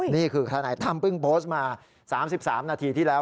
นี่คือขณะทำเพิ่งโปสต์มา๓๓นาทีที่แล้ว